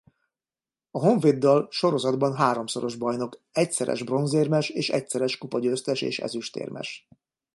A Honvéddal sorozatban háromszoros bajnok egyszeres bronzérmes és egyszeres kupagyőztes és ezüstérmes.